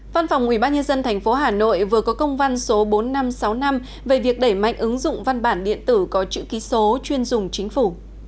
văn phòng ubnd tp hà nội vừa có công văn số bốn nghìn năm trăm sáu mươi năm về việc đẩy mạnh ứng dụng văn bản điện tử có chữ ký số chuyên dùng chính phủ